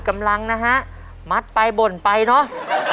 มัดไปบ่นไปเนอะ